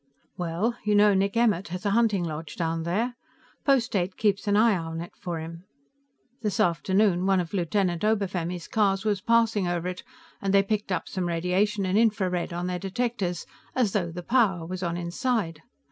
"Well, you know Nick Emmert has a hunting lodge down there. Post Eight keeps an eye on it for him. This afternoon, one of Lieutenant Obefemi's cars was passing over it, and they picked up some radiation and infrared on their detectors, as though the power was on inside.